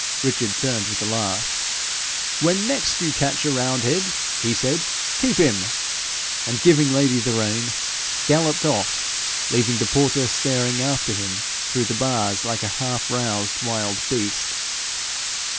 Richard turned with a laugh. 'When next you catch a roundhead,' he said, 'keep him;' and giving Lady the rein, galloped off, leaving the porter staring after him through the bars like a half roused wild beast.